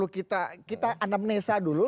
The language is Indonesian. kita anamnesa dulu